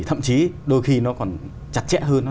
thậm chí đôi khi nó còn chặt chẽ hơn